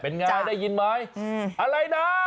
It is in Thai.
เป็นไงได้ยินไหมอะไรนะ